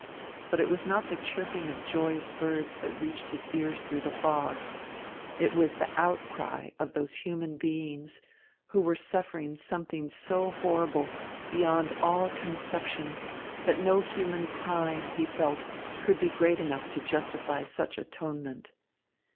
But it was not the chirping of joyous birds that reached his ears through the fog. It was the outcry of those human beings, who were suffering something so horrible, beyond all conception, that no human crime, he felt, could be great enough to justify such atonement.